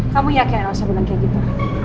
kamu yakin elsa bilang kayak gitu